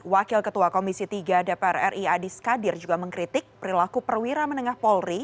wakil ketua komisi tiga dpr ri adis kadir juga mengkritik perilaku perwira menengah polri